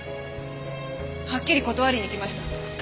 はっきり断りに行きました。